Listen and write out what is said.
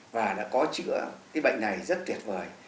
và đã có chữa cái bệnh này rất tuyệt vời